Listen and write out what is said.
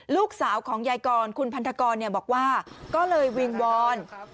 ลูกสาวของยายกรคุณพันธกรบอกว่าก็เลยวิงวอน